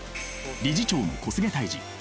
理事長の小菅泰治。